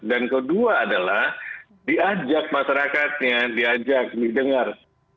dan kedua adalah diajak masyarakatnya diajak didengar